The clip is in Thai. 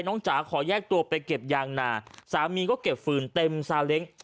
จ๋าขอแยกตัวไปเก็บยางนาสามีก็เก็บฟืนเต็มซาเล้ง